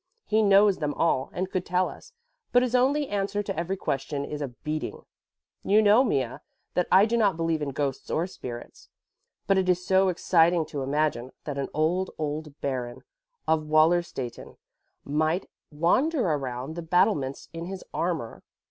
He knows them all and could tell us, but his only answer to every question is a beating. You know, Mea, that I do not believe in ghosts or spirits. But it is so exciting to imagine that an old, old Baron of Wallerstätten might wander around the battlements in his armor.